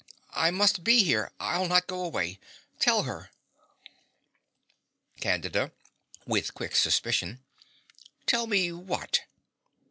I must be here. I'll not go away. Tell her. CANDIDA (with quick suspicion). Tell me what?